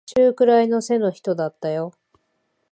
中くらいの背の人だったよ。